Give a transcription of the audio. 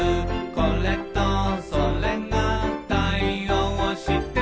「これとそれが対応してる」